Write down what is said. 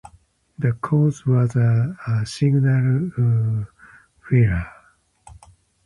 The cause was a signal failure.